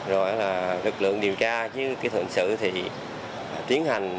rồi lực lượng điều tra với kỹ thuận sự thì tiến hành